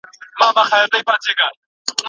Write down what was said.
که خوب پوره وي نو ذهن نه ستړی کیږي.